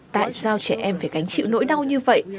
tại sao trẻ em phải gánh chịu nỗi đau như vậy